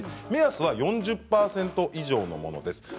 目安は４０％以上のものです。